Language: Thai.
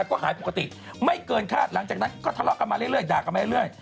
ก็หายปกติไม่เกินคาดหลังจากนั้นก็ทะเลาะกันมาเรื่อยด่ากันมาเรื่อย